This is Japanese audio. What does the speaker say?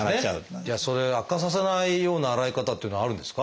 じゃあそれ悪化させないような洗い方っていうのはあるんですか？